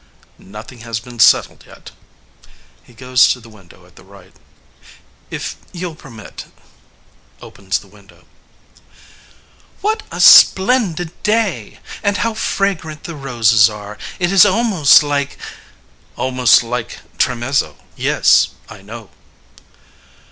AMADEUS Nothing has been settled yet. (He goes to the window at the right) If you'll permit.... (Opens the window) FREDERIQUE What a splendid day! And how fragrant the roses are. It is almost like.... AMADEUS Almost like Tremezzo yes, I know.